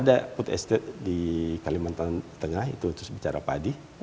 ada food estate di kalimantan tengah itu terus bicara padi